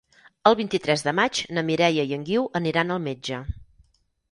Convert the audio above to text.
El vint-i-tres de maig na Mireia i en Guiu aniran al metge.